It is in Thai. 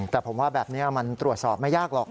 แต่ผมว่าแบบนี้มันตรวจสอบไม่ยากหรอก